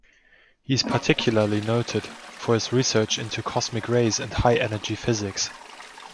He is particularly noted for his research into cosmic rays and high-energy physics.